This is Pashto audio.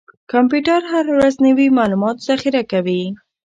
کمپیوټر هره ورځ نوي معلومات ذخیره کوي.